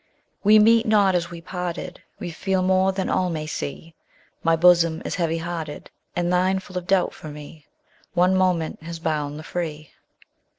We meet not as we parted, We feel more than all may see; My bosom is heavy hearted, And thine full of doubt for me: One moment has bound the free.